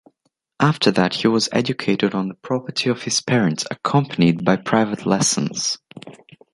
After that he was educated on the property of his parents accompanied by private lessons.